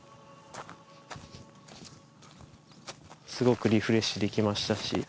すごくリフレッシュできましたし